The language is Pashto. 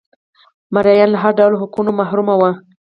مریان له هر ډول حقونو محروم وو.